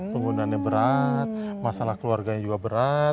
penggunaannya berat masalah keluarganya juga berat